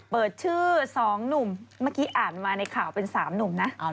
เปิดชื่อ๒หนุ่มเมื่อกี้อ่านมาในข่าวเป็น๓หนุ่มนะ